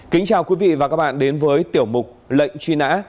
kính chào quý vị và các bạn đến với tiểu mục lệnh truy nã